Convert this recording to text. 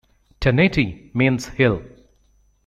"Tanety" means hill.